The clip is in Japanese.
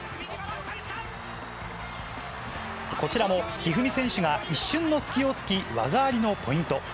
こちらも一二三選手が一瞬の隙をつき、技ありのポイント。